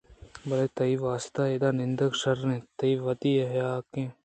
بلئے تئی واستہ اِد ءِ نندگ شر اِنت تئی وتی حاک اِنت